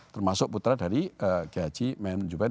termasuk putra dari kayi haji memon juber